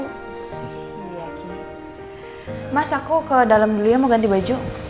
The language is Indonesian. mas aku ke dalam dulu ya mau ganti baju